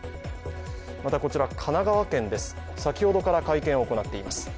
また、神奈川県です、先ほどから会見を行っています。